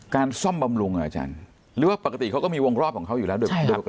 การซ่อมบำรุงหรือว่าปกติเขาก็มีวงรอบของเขาอยู่แล้ว